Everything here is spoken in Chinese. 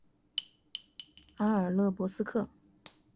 阿尔勒博斯克。